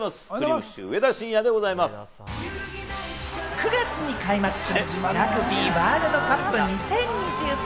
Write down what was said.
９月に開幕する、ラグビーワールドカップ２０２３